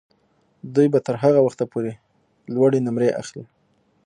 دوی به تر هغه وخته پورې لوړې نمرې اخلي.